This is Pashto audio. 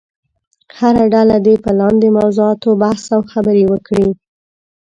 هره ډله دې په لاندې موضوعاتو بحث او خبرې وکړي.